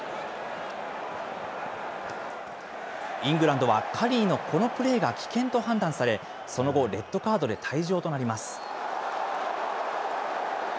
イングランドはカリーの危険と判断され、その後、レッドカードで退場となります。